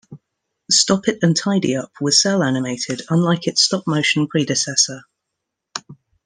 Stoppit and Tidyup was cel-animated, unlike its stop-motion predecessor.